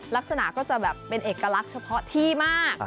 ลักษณะก็จะแบบเป็นเอกลักษณ์เฉพาะที่มาก